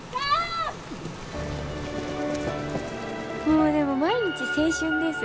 もうでも毎日青春です。